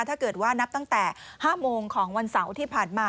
ถ้าเกิดว่านับตั้งแต่๕โมงของวันเสาร์ที่ผ่านมา